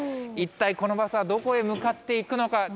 一体このバスはどこへ向かっていくのか。